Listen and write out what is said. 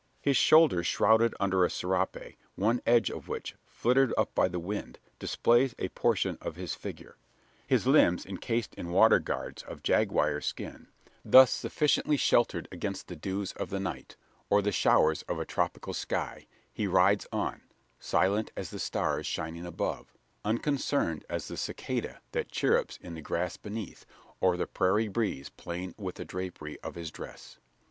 His shoulders shrouded under a serape, one edge of which, flirted up by the wind, displays a portion of his figure: his limbs encased in "water guards" of jaguar skin: thus sufficiently sheltered against the dews of the night, or the showers of a tropical sky, he rides on silent as the stars shining above, unconcerned as the cicada that chirrups in the grass beneath, or the prairie breeze playing with the drapery of his dress.